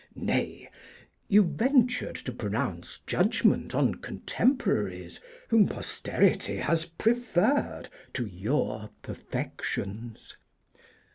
Nay, you ventured to pronounce judgment on contemporaries whom Posterity has preferred to your perfections.